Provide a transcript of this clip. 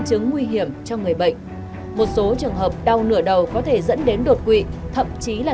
chứng nguy hiểm cho người bệnh một số trường hợp đau nửa đầu có thể dẫn đến đột quỵ thậm chí là